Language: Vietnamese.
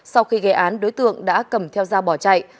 sau khi gây án đối tượng đã cầm theo dao bỏ chạy